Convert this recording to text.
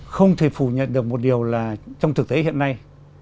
không thể phủ nhận được một điều là trong thực tế hiện nay